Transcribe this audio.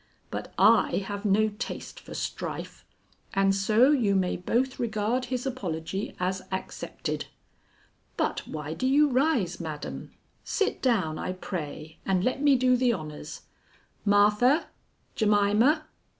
But I have no taste for strife, and so you may both regard his apology as accepted. But why do you rise, madam? Sit down, I pray, and let me do the honors. Martha! Jemima!"